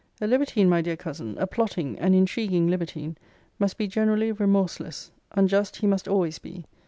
A libertine, my dear cousin, a plotting, an intriguing libertine, must be generally remorseless unjust he must always be.